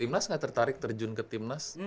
timnas nggak tertarik terjun ke timnas